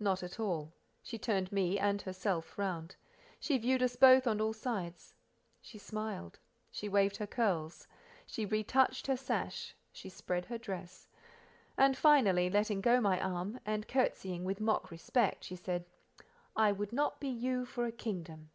Not at all. She turned me and herself round; she viewed us both on all sides; she smiled, she waved her curls, she retouched her sash, she spread her dress, and finally, letting go my arm, and curtseying with mock respect, she said: "I would not be you for a kingdom."